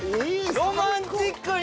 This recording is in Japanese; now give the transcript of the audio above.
ロマンチックに！